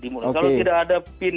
kalau tidak ada pin dia pegang